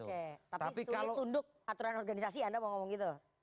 oke tapi soal tunduk aturan organisasi anda mau ngomong gitu